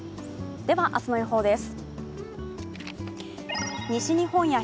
では明日の予報です。